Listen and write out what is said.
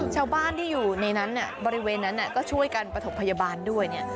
ชาวบ้านที่อยู่ในนั้นบริเวณนั้นก็ช่วยกันประถมพยาบาลด้วย